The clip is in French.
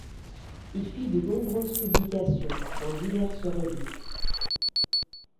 Il fit de nombreuses publications dans diverses revues.